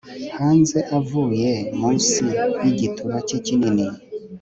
hanze avuye munsi yigituba cye kinini